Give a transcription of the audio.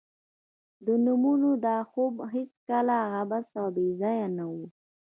د نوموړي دا خوب هېڅکله عبث او بې ځای نه و